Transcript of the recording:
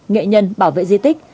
nghệ nhân bảo vệ di tích